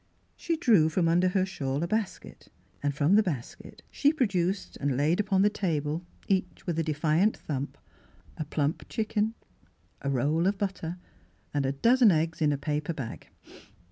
She drew from under her shawl a basket, and from the basket she produced and laid upon the table, each with a defiant thump, a plump chicken, a roll of butter, and a dozen eggs in a paper bag.